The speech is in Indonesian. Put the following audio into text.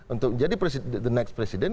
untuk jadi the next presiden